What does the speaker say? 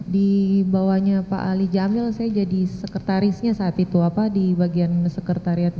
di bawahnya pak ali jamil saya jadi sekretarisnya saat itu apa di bagian sekretariat